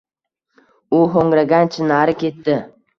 U hoʻngragancha nari ketdi.